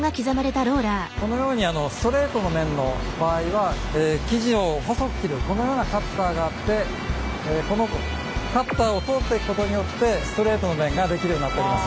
このようにストレートの麺の場合は生地を細く切るこのようなカッターがあってこのカッターを通ってくことによってストレートの麺が出来るようになっております。